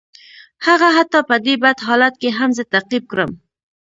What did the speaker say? هغه حتی په دې بد حالت کې هم زه تعقیب کړم